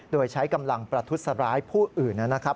โดยใช้กำลังประทุษร้ายผู้อื่นนะครับ